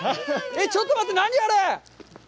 ちょっと待って、何、あれ！？